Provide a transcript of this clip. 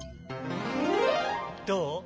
どう？